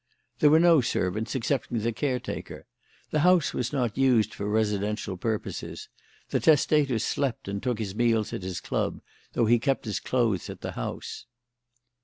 "There were no servants excepting the caretaker. The house was not used for residential purposes. The testator slept and took his meals at his club, though he kept his clothes at the house."